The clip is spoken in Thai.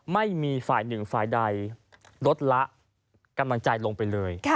ไม่มีฝ่ายหนึ่งฝ่ายใดลดละกำลังใจลงไปเลย